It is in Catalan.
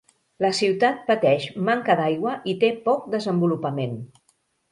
La ciutat pateix manca d'aigua i té poc desenvolupament.